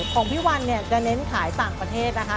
ของพี่วันเนี่ยจะเน้นขายต่างประเทศนะคะ